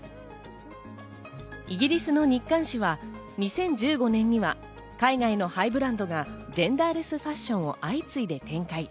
イギリスの日刊紙は、２０１５年には海外のハイブランドがジェンダーレスファッションを相次いで展開。